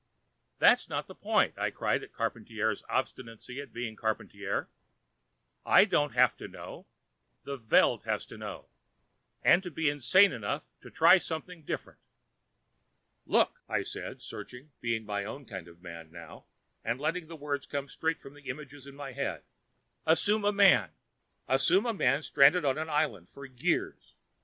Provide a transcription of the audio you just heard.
"That's not the point!" I cried at Charpantier's obstinacy in being Charpantier. "I don't have to know. The Veld has to know, and be insane enough to try something different. Look " I said, searching, being my own kind of man, now, and letting the words come straight from the images in my head. "Assume a man. Assume a man stranded on an island, for years.